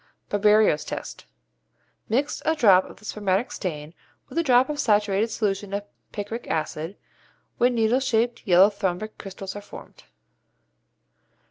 Barberio's Test. Mix a drop of the spermatic stain with a drop of a saturated solution of picric acid, when needle shaped yellow rhombic crystals are formed.